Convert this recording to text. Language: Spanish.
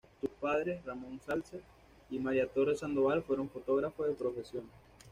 Sus padres, Ramón Zalce y María Torres Sandoval, fueron fotógrafos de profesión.